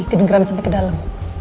tidak geran sampai ke dalam